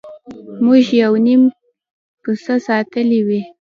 موږ یو نیم پسه ساتلی وي.